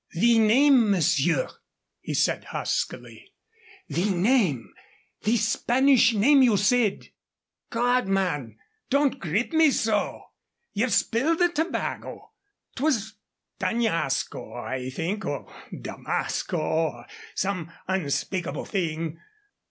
"The name, monsieur?" he said, huskily "the name the Spanish name you said ?" "Gawd, man, don't grip me so! You've spilled the tobago. 'Twas D'Añasco, I think, or Damasco, or some such unspeakable thing."